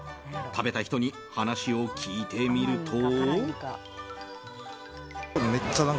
食べた人に話を聞いてみると。